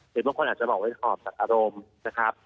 หรือบางคนอาจจะบอกว่าเป็นออบจากอารมณ์นะครับ